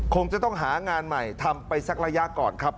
คงจะต้องหางานใหม่ทำไปสักระยะก่อนครับ